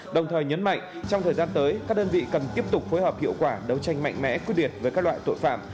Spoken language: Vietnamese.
đồng thời nhấn mạnh trong thời gian tới các đơn vị cần tiếp tục phối hợp hiệu quả đấu tranh mạnh mẽ quyết liệt với các loại tội phạm